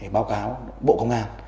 báo cáo bộ công an